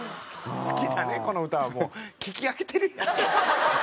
「好きだねこの歌」はもう聞き飽きてるやん。